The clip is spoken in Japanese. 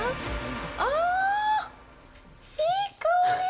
あー、いい香り。